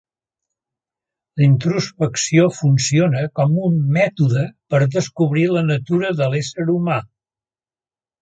La introspecció funciona com un mètode per descobrir la natura de l'ésser humà.